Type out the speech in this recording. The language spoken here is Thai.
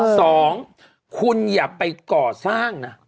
สองคุณอย่าไปก่อสร้างนะ